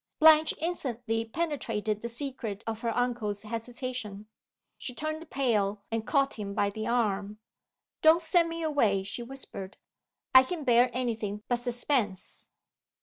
Blanche instantly penetrated the secret of her uncle's hesitation. She turned pale, and caught him by the arm. "Don't send me away," she whispered. "I can bear any thing but suspense."